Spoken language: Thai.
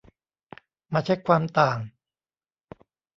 มาเช็กความต่าง